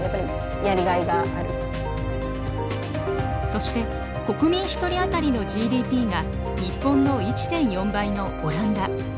そして国民一人当たりのＧＤＰが日本の１．４倍のオランダ。